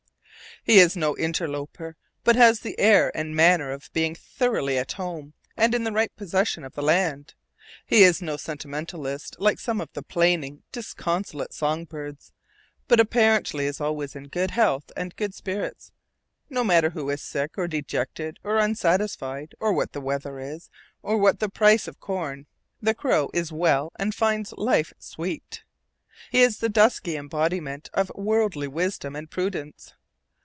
He is no interloper, but has the air and manner of being thoroughly at home, and in rightful possession of the land. He is no sentimentalist like some of the plaining, disconsolate song birds, but apparently is always in good health and good spirits. No matter who is sick, or dejected, or unsatisfied, or what the weather is, or what the price of corn, the crow is well and finds life sweet. He is the dusky embodiment of worldly wisdom and prudence.